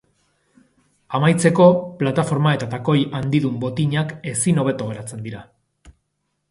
Amaitzeko, plataforma eta takoi handidun botinak ezin hobeto geratzen dira.